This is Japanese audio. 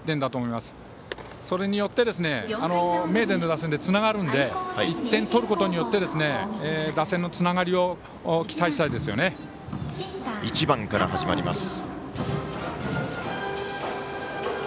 それによって名電の打線ってつながるので１点取ることによって打線のつながりを１番から始まります。